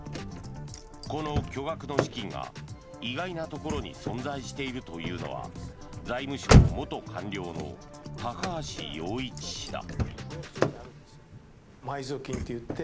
この巨額の資金が意外なところに存在しているというのは財務省元官僚の高橋洋一氏だ。